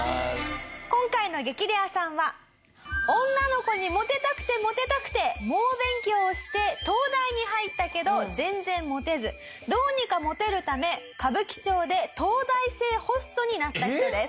今回の激レアさんは女の子にモテたくてモテたくて猛勉強して東大に入ったけど全然モテずどうにかモテるため歌舞伎町で東大生ホストになった人です。